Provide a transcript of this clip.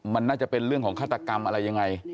มันน่าจะเป็นเรื่องของฆาตกรรมอะไรยังไง